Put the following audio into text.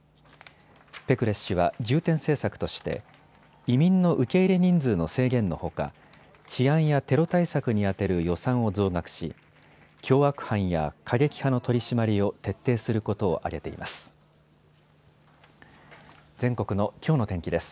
ペクレス氏は重点政策として移民の受け入れ人数の制限のほか治安やテロ対策に充てる予算を増額し凶悪犯や過激派の取締りを徹底することを挙げています。